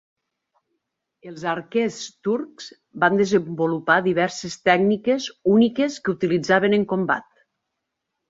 Els arquers turcs van desenvolupar diverses tècniques úniques que utilitzaven en combat.